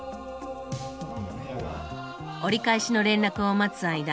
折り返しの連絡を待つ間